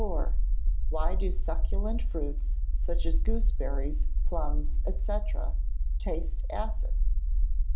_Why do succulent fruits, such as gooseberries, plums, &c., taste acid?